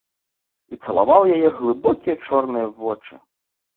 І цалаваў яе глыбокія чорныя вочы.